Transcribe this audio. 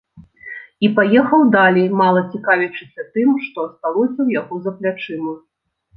І паехаў далей, мала цікавячыся тым, што асталося ў яго за плячыма.